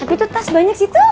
tapi itu tas banyak sih tuh